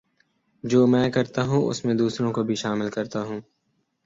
جو میں کرتا ہوں اس میں دوسروں کو بھی شامل کرتا ہوں